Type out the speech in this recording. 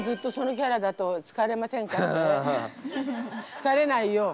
疲れないよ。